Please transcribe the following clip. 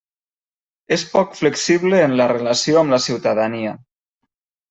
És poc flexible en la relació amb la ciutadania.